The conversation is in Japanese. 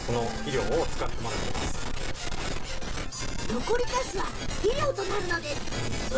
残りかすは肥料となります。